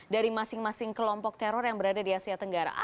dari masing masing kelompok teror yang berada di asia tenggara